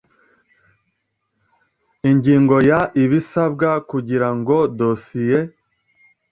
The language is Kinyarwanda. ingingo ya ibisabwa kugira ngo dosiye